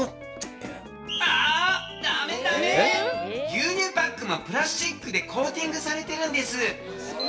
牛乳パックもプラスチックでコーティングされてるんです！